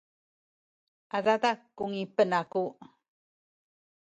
adada ku ngipen aku